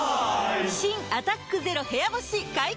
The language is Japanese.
新「アタックＺＥＲＯ部屋干し」解禁‼